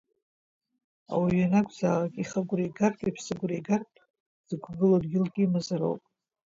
Ауаҩы ианакәзаалак ихы агәра игартә, иԥсы агәра игартә, дызқәгылоу дгьылк имазароуп.